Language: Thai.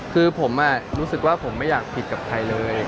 คือผมรู้สึกว่าผมไม่อยากผิดกับใครเลย